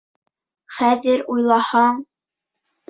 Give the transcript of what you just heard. Хәҙер уйлаһаң...